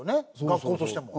学校としても。